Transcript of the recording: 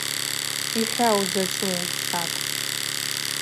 Йхӏва узачӏву, — лхӏватӏ.